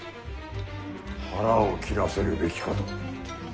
腹を切らせるべきかと。